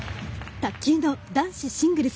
卓球の男子シングルス。